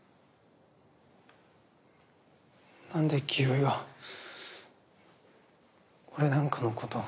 なんで清居は俺なんかのこと。